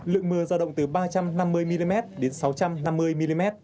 lượng mưa giao động từ ba trăm năm mươi mm đến sáu trăm năm mươi mm